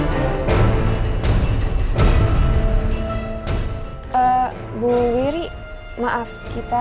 jika amerika melakukan hal yang salah